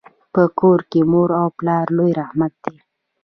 په کور کي مور او پلار لوی رحمت دی.